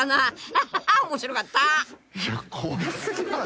［ハハハ。面白かった］